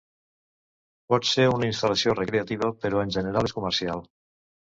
Pot ser una instal·lació recreativa, però en general és comercial.